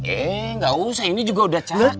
eh gak usah ini juga udah cakep